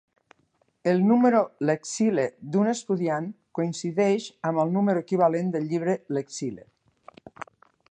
El número Lexile d'un estudiant coincideix amb el número equivalent de llibre Lexile.